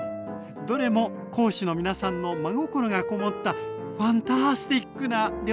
どれも講師の皆さんの真心が籠もったファンタスティックな料理でした。